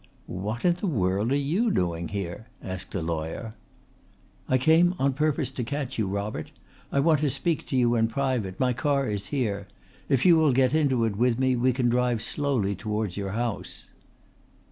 "What in the world are you doing here?" asked the lawyer. "I came on purpose to catch you, Robert. I want to speak to you in private. My car is here. If you will get into it with me we can drive slowly towards your house."